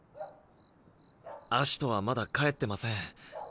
葦人はまだ帰ってません。